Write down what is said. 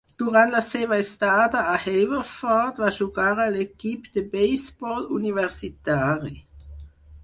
Durant la seva estada a Haverford, va jugar a l'equip de beisbol universitari.